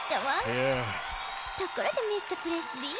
ところでミスタープレスリー。